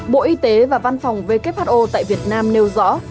bộ y tế và văn phòng who tại việt nam nêu rõ